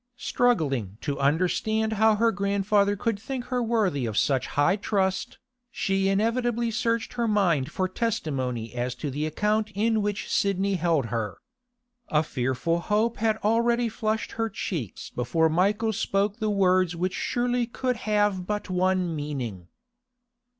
Struggling to understand how her grandfather could think her worthy of such high trust, she inevitably searched her mind for testimony as to the account in which Sidney held her. A fearful hope had already flushed her cheeks before Michael spoke the words which surely could have but one meaning.